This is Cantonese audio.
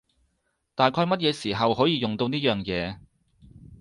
大概乜嘢時候可以用到呢樣嘢？